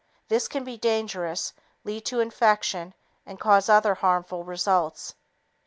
This can be dangerous, lead to infection and cause other harmful results.